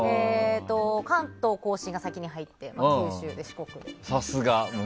関東・甲信が先に入って九州、四国も。